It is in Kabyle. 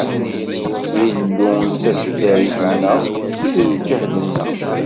D Illu i d taseddarit-nneɣ, i d lǧehd-nneɣ.